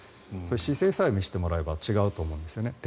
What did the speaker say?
姿勢さえ見せてもらえば展開が違うと思うんですね。